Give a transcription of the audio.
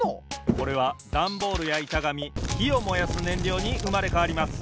これはダンボールやいたがみひをもやすねんりょうにうまれかわります。